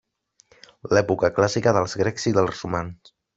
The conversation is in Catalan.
L’època Clàssica dels grecs i dels romans.